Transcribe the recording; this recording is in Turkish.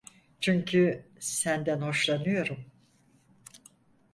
Çünkü senden hoşlanıyorum.